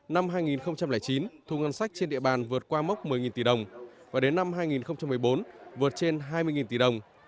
năm hai nghìn chín thu ngân sách trên địa bàn vượt qua mốc một mươi tỷ đồng và đến năm hai nghìn một mươi bốn vượt trên hai mươi tỷ đồng